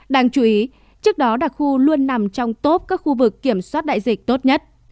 đáng chú ý trước đó đặc khu luôn nằm trong top các khu vực kiểm soát đại dịch tốt nhất